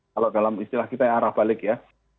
kalau dalam istilah kita yang arah balik ya